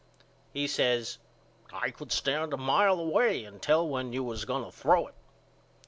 He says I could stand a mile away and tell when you was going to throw it.